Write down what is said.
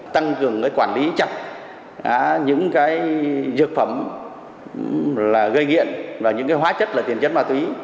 tăng cường quản lý chặt những dược phẩm gây nghiện và những hóa chất là tiền chất ma túy